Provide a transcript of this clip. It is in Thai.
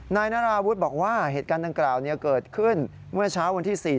นายนาราวุฒิบอกว่าเหตุการณ์ดังกล่าวเกิดขึ้นเมื่อเช้าวันที่๔